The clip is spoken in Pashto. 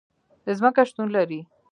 ځمکه شتون لري